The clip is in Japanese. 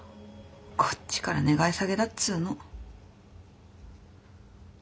こっちから願い下げだっつーの。